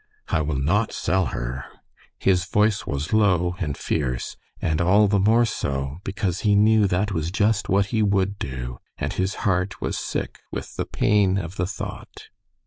"I will not sell her." His voice was low and fierce, and all the more so because he knew that was just what he would do, and his heart was sick with the pain of the thought.